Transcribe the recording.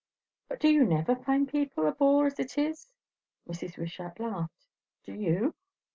"But do you never find people a bore as it is?" Mrs. Wishart laughed. "Do you?"